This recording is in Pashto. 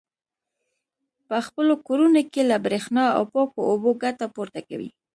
په خپلو کورونو کې له برېښنا او پاکو اوبو ګټه پورته کوي.